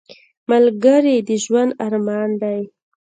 ملګری د ژوند ارمان دی